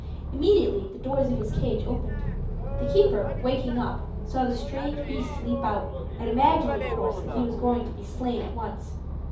Immediately the doors of his cage opened. The keeper, waking up, saw the strange beast leap out, and imagined, of course, that he was going to be slain at once.